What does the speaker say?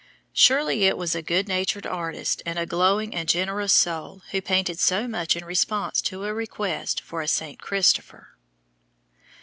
Surely it was a good natured artist and a glowing and generous soul who painted so much in response to a request for a St. Christopher!